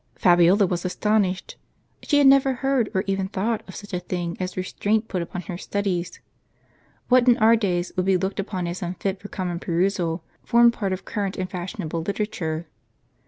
Fabiola was astonished. She had never heard, or even thought, of such a thing as restraint put upon her studies. What in our days would be looked upon as unfit for common perusal, formed part of current and fashionable literature.